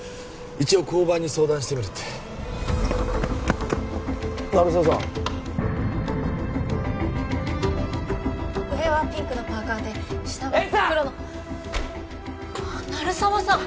一応交番に相談してみるって鳴沢さん上はピンクのパーカーで下は黒の絵里さん！